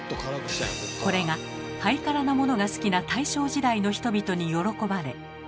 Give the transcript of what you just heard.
これがハイカラなものが好きな大正時代の人々に喜ばれ。